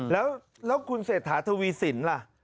แล้วคุณเศษฐาทวีสิน